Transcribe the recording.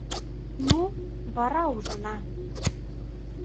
Ну, вара ужына!